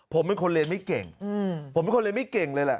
ผมเป็นคนเรียนไม่เก่งผมเป็นคนเรียนไม่เก่งเลยแหละ